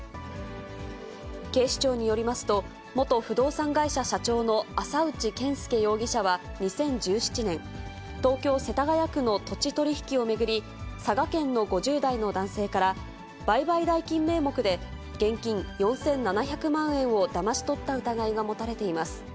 警視庁によりますと、元不動産会社社長の浅内賢輔容疑者は２０１７年、東京・世田谷区の土地取り引きを巡り、佐賀県の５０代の男性から売買代金名目で、現金４７００万円をだまし取った疑いが持たれています。